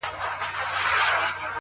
شپه تپېږم تر سهاره لکه مار پر زړه وهلی!!